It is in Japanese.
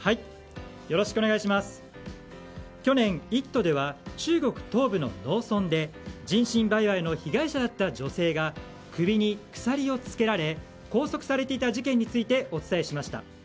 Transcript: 去年、「イット！」では中国東部の農村で人身売買の被害者だった女性が首に鎖をつけられ拘束されていた事件についてお伝えしました。